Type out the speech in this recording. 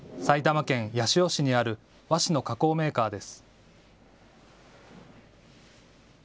埼玉県八潮市にある和紙の加工メーカーです。